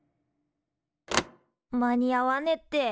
間に合わねって。